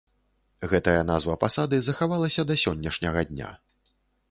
Гэтая назва пасады захавалася да сённяшняга дня.